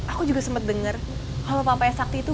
aku juga sempet denger kalo papa ya sakti itu